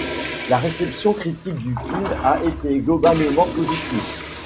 La réception critique du film a été globalement positive.